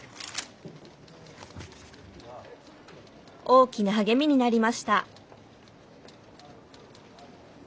「大きな励みになりました」。